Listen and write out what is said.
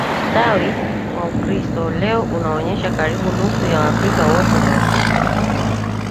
Ustawi wa Ukristo leo unaonesha karibu nusu ya Waafrika wote ni Wakristo